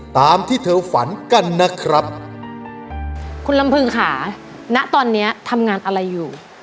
ตามที่เธอฝันกันนะครับคุณลำพึงค่ะณตอนเนี้ยทำงานอะไรอยู่